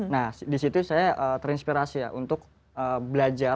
nah disitu saya terinspirasi ya untuk belajar